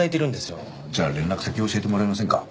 じゃあ連絡先教えてもらえませんか？